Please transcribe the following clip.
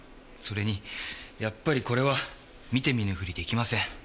それにやっぱりこれは見て見ぬふり出来ません。